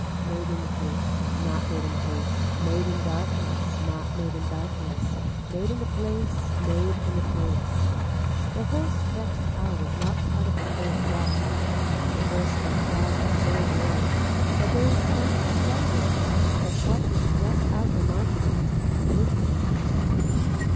Made in haste, not made in haste, made in darkness, not made in darkness, made in a place, made in a place. The whole stretched out is not part of the whole block, the whole stretched out is so arranged that there is not stumbling but what is just as remarkable, pushing.